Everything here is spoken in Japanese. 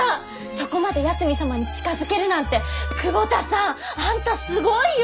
そこまで八海サマに近づけるなんて久保田さんあんたすごいよ！